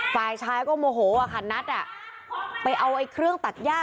ฝ่ายชายก็โมโหว่ะค่ะนัดไปเอาเครื่องตัดหญ้า